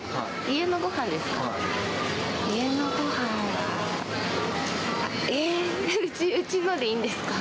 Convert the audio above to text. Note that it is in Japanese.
家のごはんですか？